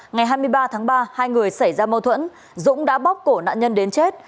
ngày hai mươi ba tháng ba hai người xảy ra mâu thuẫn dũng đã bóc cổ nạn nhân đến chết